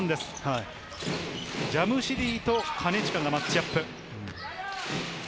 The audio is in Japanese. ジャムシディと金近がマッチアップ。